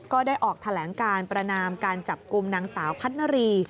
ก็ได้ออกแถลงการประนามการจับกลุ่มนางสาวพัฒนารี